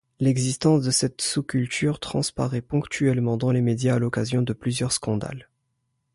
L'existence de cette sous-culture transparaît ponctuellement dans les médias à l'occasion de plusieurs scandales.